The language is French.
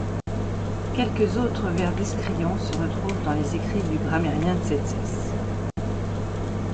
Quelques autres vers d'Eschrion se retrouvent dans les écrits du grammairien Tzétzès.